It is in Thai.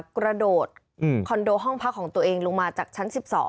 กระโดดคอนโดห้องพักของตัวเองลงมาจากชั้น๑๒